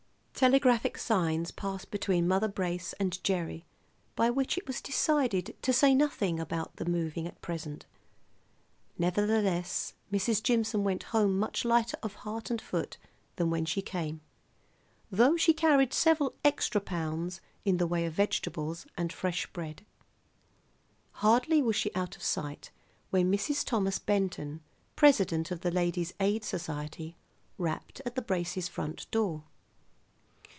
Telegraphic signs passed between Mother Brace and Gerry by which it was decided to say nothing about the moving at present. Nevertheless Mrs. Jimson went home much lighter of heart and foot than when she came, though she carried several extra pounds in the way of vegetables and fresh bread. Hardly was she out of sight when Mrs. Thomas Benton, president of the Ladies' Aid Society, rapped at the Braces' front door.